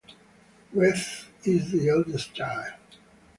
Rhett is the eldest child.